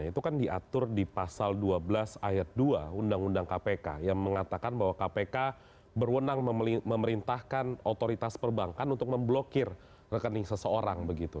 itu kan diatur di pasal dua belas ayat dua undang undang kpk yang mengatakan bahwa kpk berwenang memerintahkan otoritas perbankan untuk memblokir rekening seseorang